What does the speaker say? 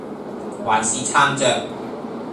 還是撐著